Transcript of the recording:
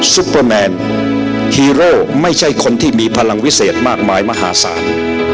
ซุปเปอร์แมนฮีโร่ไม่ใช่คนที่มีพลังวิเศษมากมายมหาศาล